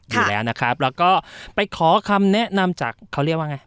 อยู่แล้วนะครับแล้วก็ไปขอคำแนะนำจากเขาเรียกว่าไง